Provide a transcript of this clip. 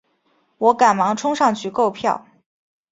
我赶忙冲上去购票